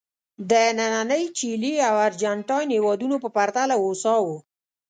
د نننۍ چیلي او ارجنټاین هېوادونو په پرتله هوسا وو.